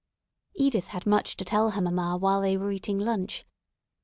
Edith had much to tell her mamma while they were eating lunch.